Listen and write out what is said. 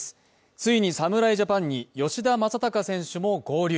ついに侍ジャパンに吉田正尚選手も合流。